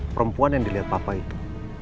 perempuan yang dilihat papa itu